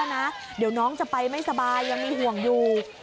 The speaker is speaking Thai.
ยังไม่สบายยังมีห่วงอยู่